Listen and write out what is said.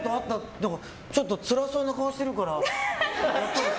ちょっとつらそうな顔してるから。